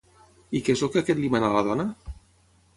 I què és el que aquest li manà a la dona?